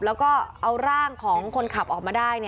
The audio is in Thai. แล้วก็เอาร่างของคนขับออกมาได้